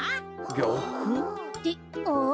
ぎゃく？ってあっ！